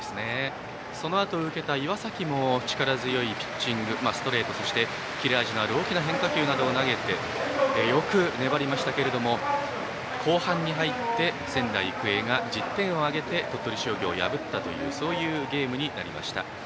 そのあと受けた岩崎も力強いピッチングストレート、切れ味のある大きな変化球などを投げてよく粘りましたが、後半に入って仙台育英が１０点を挙げて鳥取商業を破ったというゲームになりました。